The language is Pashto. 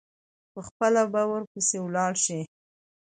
پخپله به ورپسي ولاړ شي.